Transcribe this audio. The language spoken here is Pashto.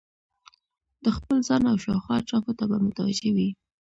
د خپل ځان او شاوخوا اطرافو ته به متوجه وي